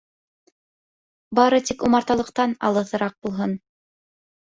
Бары тик умарталыҡтан алыҫыраҡ булһын.